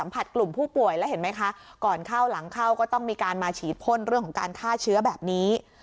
กลุ่มผู้ป่วยแล้วเห็นไหมคะก่อนเข้าหลังเข้าก็ต้องมีการมาฉีดพ่นเรื่องของการฆ่าเชื้อแบบนี้